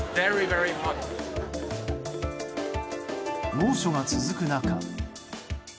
猛暑が続く中。